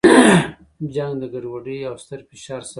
جنګ د ګډوډۍ او ستر فشار سبب کیږي.